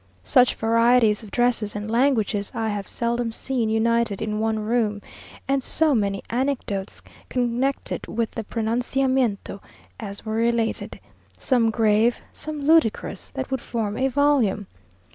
Such varieties of dresses and languages I have seldom seen united in one room; and so many anecdotes connected with the pronunciamento as were related, some grave, some ludicrous, that would form a volume!